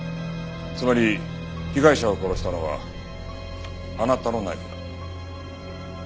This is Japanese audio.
つまり被害者を殺したのはあなたのナイフだ。